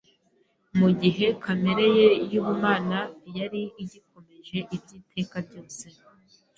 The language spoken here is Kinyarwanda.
mu gihe kamere ye y’ubumana yari igikomeje iby’iteka ryose.